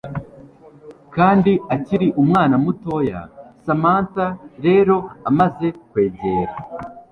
kandi akiri umwana mutoya Samantha rero amaze kwegera